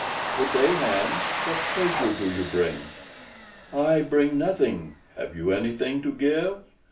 "Good day, Hans. What treasure do you bring?" "I bring nothing. Have you anything to give?"